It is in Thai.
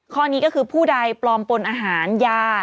ข้อนี้ก็คือผู้ใดปลอมปนอาหารยา